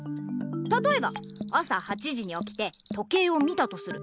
たとえば朝８時におきて時計を見たとする。